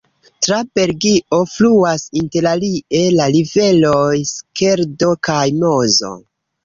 Tra Belgio fluas interalie la riveroj Skeldo kaj Mozo.